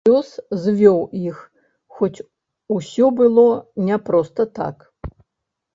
Лёс звёў іх, хоць усё было не проста так.